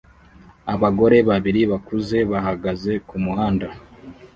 Abagore babiri bakuze bahagaze kumuhanda